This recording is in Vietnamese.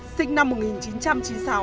sinh năm một nghìn chín trăm chín mươi sáu